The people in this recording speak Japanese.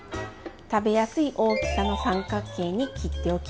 食べやすい大きさの三角形に切っておきます。